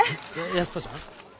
安子ちゃん？